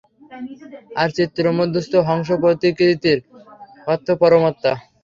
আর চিত্রমধ্যস্থ হংসপ্রতিকৃতিটির অর্থ পরমাত্মা।